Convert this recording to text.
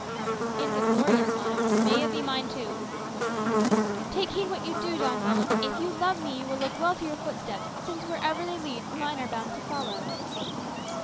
'" "It is a glorious motto. May it be mine too." "Take heed what you do, Don Juan. If you love me, you will look well to your footsteps, since, wherever they lead, mine are bound to follow."